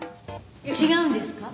違うんですか？